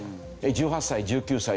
１８歳１９歳でも。